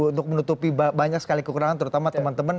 untuk menutupi banyak sekali kekurangan terutama teman teman